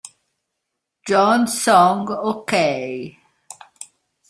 Jong Song-ok